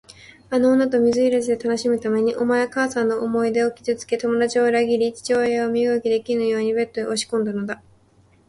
あの女と水入らずで楽しむために、お前はお母さんの思い出を傷つけ、友だちを裏切り、父親を身動きできぬようにベッドへ押しこんだのだ。